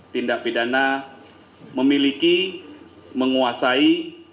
tindak pidana memiliki menguasai